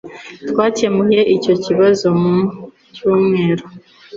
Twakemuye icyo kibazo mu cyumweru.